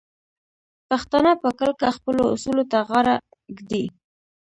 پښتانه په کلکه خپلو اصولو ته غاړه ږدي.